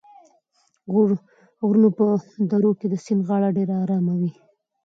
د غرونو په درو کې د سیند غاړه ډېره ارامه وي.